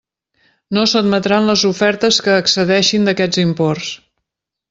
No s'admetran les ofertes que excedeixin d'aquests imports.